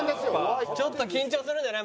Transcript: ちょっと緊張するんじゃない？